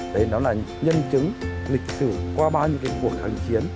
đấy nó là nhân chứng lịch sử qua bao nhiêu cuộc kháng chiến